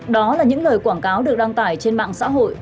đó là những lời quảng cáo được đăng tải trên mạng xã hội